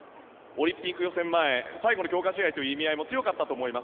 オリンピック予選前最後の強化試合という意味合いも強かったと思います。